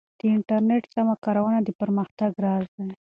د انټرنیټ سمه کارونه د پرمختګ راز دی.